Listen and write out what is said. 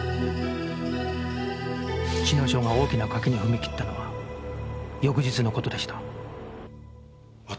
茅野署が大きな賭けに踏み切ったのは翌日の事でした